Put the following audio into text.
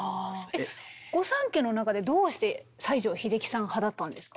御三家の中でどうして西城秀樹さん派だったんですか？